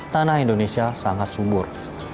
tanah indonesia sangat subur